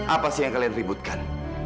apa sih yang kalian ributkan